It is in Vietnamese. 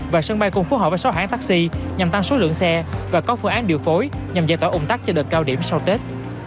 và sân bay cùng phú hậu và sáu hãng taxi nhằm tăng số lượng xe và có phương án điều phối nhằm giải tỏa ủng tắc cho đợt cao điểm sau tết